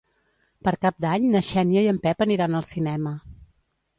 Per Cap d'Any na Xènia i en Pep aniran al cinema.